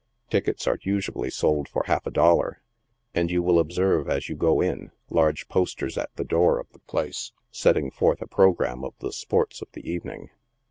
Tickets are usually sold for half a dollar, and you will observe, as you go in, large posters at the door of the place, setting forth a programme of the sports of the evening.